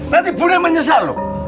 nanti bu nek menyesal loh